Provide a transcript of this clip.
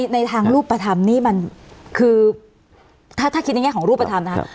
ในทางรูปธรรมนี่มันคือถ้าคิดในแง่ของรูปธรรมนะครับ